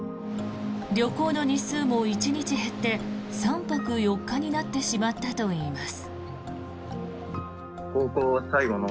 旅行の日数も１日減って３泊４日になってしまったといいます。